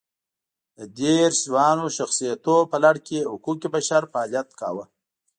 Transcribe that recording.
د دېرش ځوانو شخصیتونو په لړ کې یې حقوق بشر فعالیت کاوه.